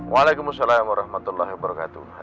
waalaikumsalam warahmatullahi wabarakatuh